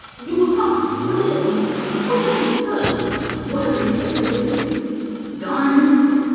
you will not? What does it mean? What has he done? Why are you angry with him?" "Done!